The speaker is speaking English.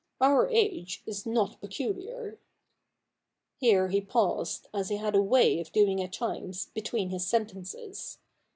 Our age is not peculiar.' Here he paused, as he had a way of doing at times between his sentences.